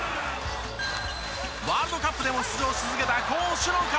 ワールドカップでも出場し続けた攻守の要。